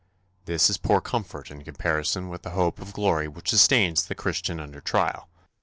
This is poor comfort in comparison with the hope of glory which sustains the Christian under trial.